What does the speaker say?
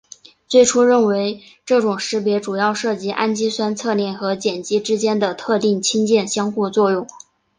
最初认为这种识别主要涉及氨基酸侧链和碱基之间的特定氢键相互作用。